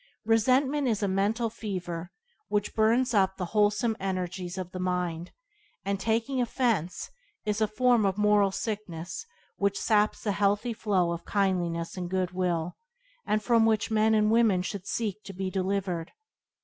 Resentment is a mental fever which burns up the wholesome energies of the mind, and "taking offence" is a form of moral sickness which saps the healthy flow of kindliness and good will, and from which men and women should seek to be delivered.